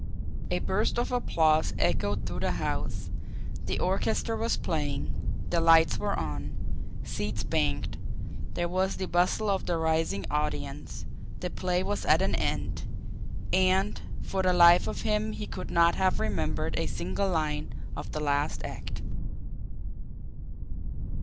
A burst of applause echoed through the house, the orchestra was playing, the lights were on, seats banged, there was the bustle of the rising audience, the play was at an end and for the life of him he could not have remembered a single line of the last act!